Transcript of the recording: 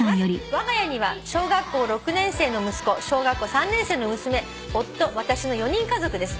「わが家には小学校６年生の息子小学校３年生の娘夫私の４人家族です」